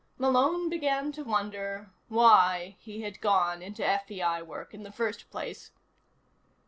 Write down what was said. Malone began to wonder why he had gone into FBI work in the first place.